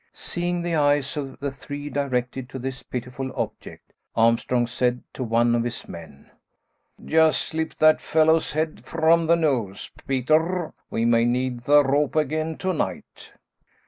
Seeing the eyes of the three directed to this pitiful object, Armstrong said to one of his men, "Just slip that fellow's head from the noose, Peter; we may need the rope again to night."